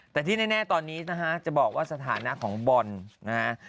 แต่ที่แน่ตอนนี้นะฮะจะบอกว่าสถานะของบอลนะฮะ